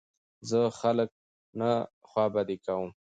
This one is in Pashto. زه خلک نه خوابدي کوم.